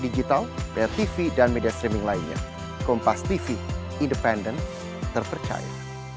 digital bayar tv dan media streaming lainnya kompas tv independen terpercaya